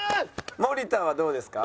森田はどうですか？